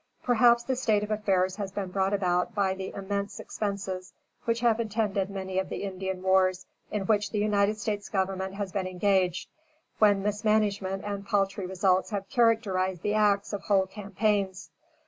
Perhaps this state of affairs has been brought about by the immense expenses which have attended many of the Indian wars in which the United States government has been engaged, when mismanagement and paltry results have characterized the acts of whole campaigns.